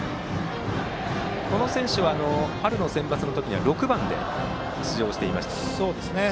この選手は春のセンバツでは６番で出場していました。